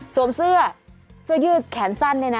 สวมเสื้อเสื้อยืดแขนสั้น